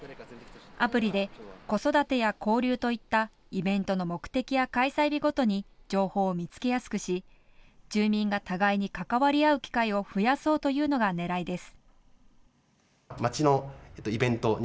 アプリで子育てや交流といったイベントの目的や開催日ごとに情報を見つけやすくし住民が互いに関わり合う機会を増やそうというのが狙いです。